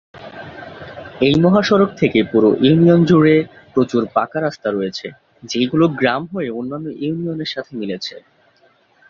এই মহাসড়ক থেকেই পুরো ইউনিয়ন জুড়ে প্রচুর পাকা রাস্তা রয়েছে, যেই গুলো গ্রাম হয়ে অন্যান্য ইউনিয়ন এর সাথে মিলেছে।